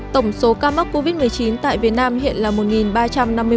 tổng số ca mắc covid một mươi chín tại việt nam hiện là một ba trăm năm mươi ca